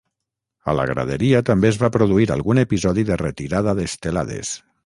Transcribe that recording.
A la graderia també es va produir algun episodi de retirada d’estelades.